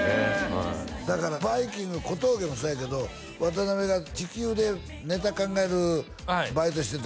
はいだからバイきんぐ小峠もそうやけど渡辺が時給でネタ考えるバイトしてたよな？